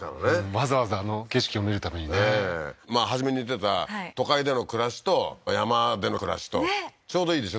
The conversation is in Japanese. わざわざあの景色を見るためにねええまあ初めに言ってた都会での暮らしと山での暮らしとちょうどいいでしょ？